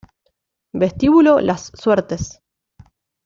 Vestíbulo Las Suertes